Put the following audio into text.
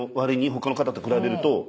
他の方と比べると。